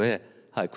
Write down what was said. はい。